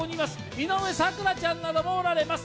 井上咲楽ちゃんなどもおられます。